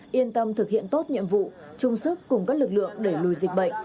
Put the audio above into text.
quan tâm thực hiện tốt nhiệm vụ chung sức cùng các lực lượng để lùi dịch bệnh